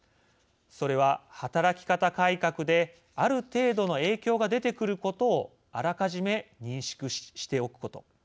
それは、働き方改革である程度の影響が出てくることをあらかじめ認識しておくこと。